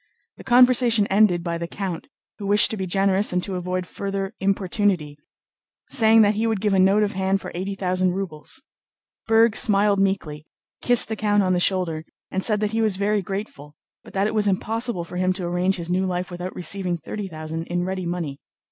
The conversation ended by the count, who wished to be generous and to avoid further importunity, saying that he would give a note of hand for eighty thousand rubles. Berg smiled meekly, kissed the count on the shoulder, and said that he was very grateful, but that it was impossible for him to arrange his new life without receiving thirty thousand in ready money.